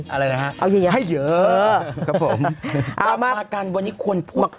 อะไรนะฮะเอาเยอะให้เยอะครับผมเอามากันวันนี้คนพวก